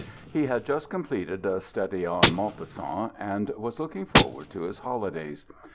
He had just completed a " study on Maupassant/' and was look ing forward to his holidays.